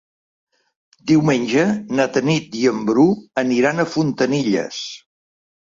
Diumenge na Tanit i en Bru aniran a Fontanilles.